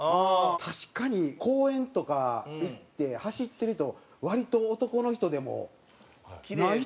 確かに公園とか行って走ってると割と男の人でもない人多いな。